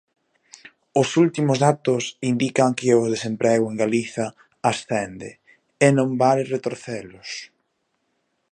Os últimos datos indican que o desemprego en Galicia ascende, e non vale retorcelos.